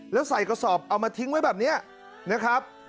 แล้วใส่กระสอบเอามาทิ้งไว้แบบนี้นะครับ